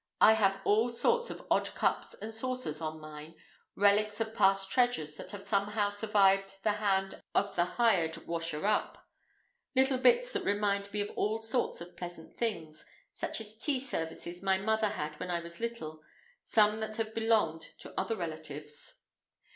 I have all sorts of odd cups and saucers on mine, relics of past treasures that have somehow survived the hand of the hired washer up; little bits that remind me of all sorts of pleasant things, such as tea services my mother had when I was little, some that have belonged to other relatives.